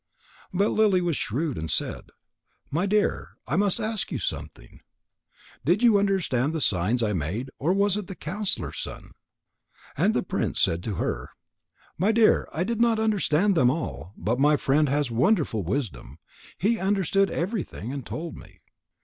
But Lily was shrewd and said: "My dear, I must ask you something. Did you understand the signs I made, or was it the counsellor's son?" And the prince said to her: "My dear, I did not understand them all, but my friend has wonderful wisdom. He understood everything and told me."